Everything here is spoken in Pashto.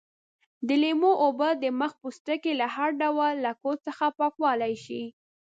د لیمو اوبه د مخ پوستکی له هر ډول لکو څخه پاکولای شي.